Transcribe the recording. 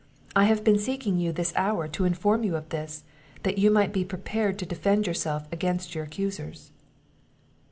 I have been seeking you this hour, to inform you of this, that you might be prepared to defend yourself against your accusers."